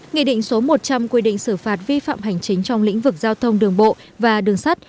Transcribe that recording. nghị định số một trăm linh quy định xử phạt vi phạm hành chính trong lĩnh vực giao thông đường bộ và đường sắt